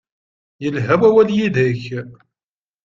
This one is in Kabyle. Yelha wawal yid-k.